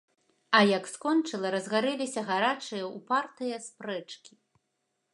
А як скончыла, разгарэліся гарачыя, упартыя спрэчкі.